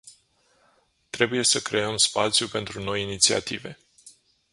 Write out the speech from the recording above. Trebuie să creăm spațiu pentru noi inițiative.